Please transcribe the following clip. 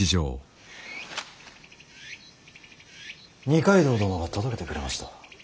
二階堂殿が届けてくれました。